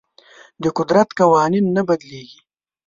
د قدرت قوانین نه بدلیږي.